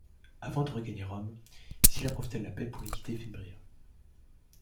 Avant de regagner Rome, Sylla profita de la paix pour liquider Fimbria.